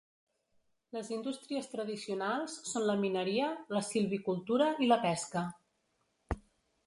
Les indústries tradicionals són la mineria, la silvicultura i la pesca.